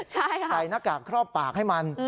ใช่ค่ะใส่หน้ากากครอบปากให้มัน